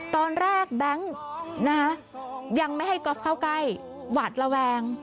แบงค์ยังไม่ให้ก๊อฟเข้าใกล้หวาดระแวง